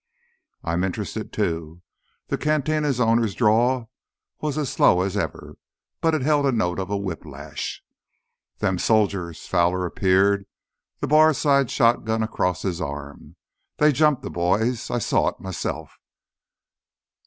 "I'm interested, too." The cantina owner's drawl was as slow as ever, but it held a note of a whiplash. "Them soldiers...." Fowler appeared, the bar side shotgun across his arm—"they jumped th' boys. I saw it, myself."